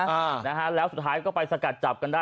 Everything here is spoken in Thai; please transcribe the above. อ่านะฮะแล้วสุดท้ายก็ไปสกัดจับกันได้